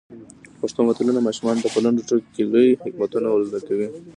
پښتو متلونه ماشومانو ته په لنډو ټکو کې لوی حکمتونه ور زده کوي.